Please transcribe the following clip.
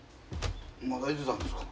まだいてたんですか？